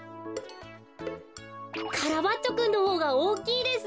カラバッチョくんのほうがおおきいです。